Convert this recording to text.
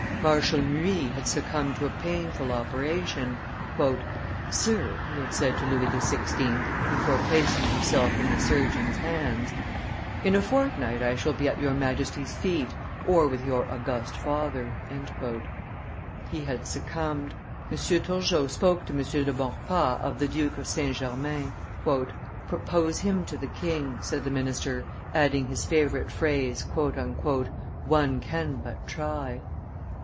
Marshal Muy had succumbed to a painful operation. "Sir," he had said to Louis XVI., before placing himself in the surgeon's hands, "in a fortnight I shall be at your Majesty's feet or with your august father." He had succumbed. M. Turgot spoke to M. de Maurepas of the Duke of St. Germain. "Propose him to the king," said the minister, adding his favorite phrase "one can but try."